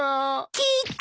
切った！